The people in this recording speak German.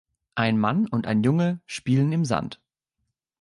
Ein Mann und ein Junge spielen im Sand.